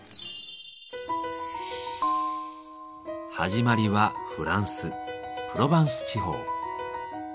始まりはフランス・プロバンス地方。